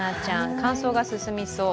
乾燥が進みそう。